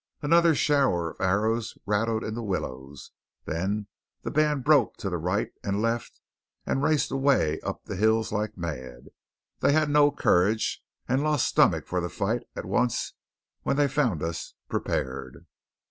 Another shower of arrows rattled in the willows; then the band broke to right and left and raced away up the hills like mad. They had no courage, and lost stomach for the fight at once when they found us prepared.